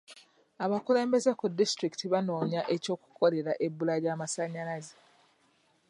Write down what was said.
Abakulembeze ku disitulikiti banoonya eky'okukolera ebbula ly'amasannyalaze.